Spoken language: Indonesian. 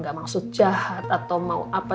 gak maksud jahat atau mau apa